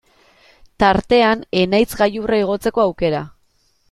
Tartean Enaitz gailurra igotzeko aukera.